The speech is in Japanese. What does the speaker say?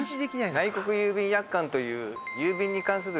内国郵便約款という郵便に関する約束